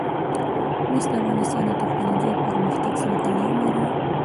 مس د افغانستان د تکنالوژۍ پرمختګ سره تړاو لري.